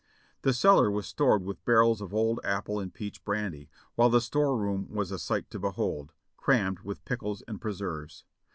The cellar was stored with barrels of old apple and peach brandy, while the store room was a sight to behold, crammed with pickles and preserves.